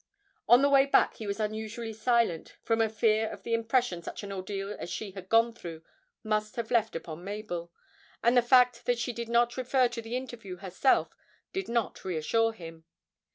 On the way back he was unusually silent, from a fear of the impression such an ordeal as she had gone through must have left upon Mabel; and the fact that she did not refer to the interview herself did not reassure him.